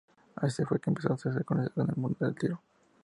Así fue que empezó a hacerse conocido en el mundo del tiro.